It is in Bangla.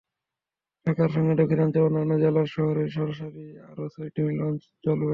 ঢাকার সঙ্গে দক্ষিণাঞ্চলের অন্যান্য জেলা শহরে সরাসরি আরও ছয়টি লঞ্চ চলবে।